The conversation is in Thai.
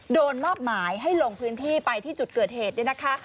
มอบหมายให้ลงพื้นที่ไปที่จุดเกิดเหตุเนี่ยนะคะ